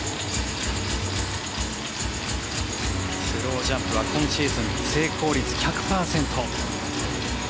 スロージャンプは今シーズン成功率１００％。